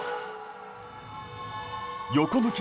横向き。